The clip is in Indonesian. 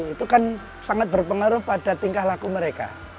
itu kan sangat berpengaruh pada tingkah laku mereka